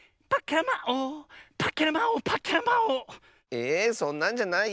えそんなんじゃないよ。